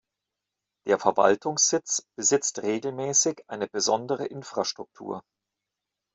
Der Verwaltungssitz besitzt regelmäßig eine besondere Infrastruktur.